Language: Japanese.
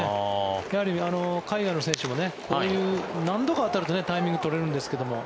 やはり海外の選手もこういう何度か当たるとタイミング取れるんですけども。